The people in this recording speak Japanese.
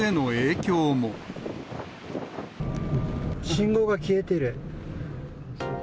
信号が消えてる。